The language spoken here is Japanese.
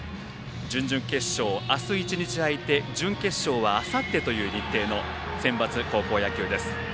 準々決勝、明日１日空いて準決勝はあさってという日程のセンバツ高校野球です。